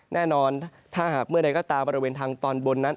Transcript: แน่นอนถ้าหากเมื่อใดก็ตามบริเวณทางตอนบนนั้น